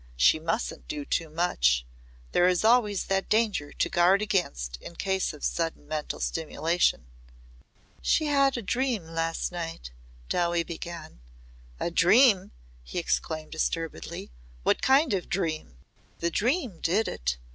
She mustn't do too much. There is always that danger to guard against in a case of sudden mental stimulation." "She had a dream last night," Dowie began. "A dream!" he exclaimed disturbedly. "What kind of dream?" "The dream did it.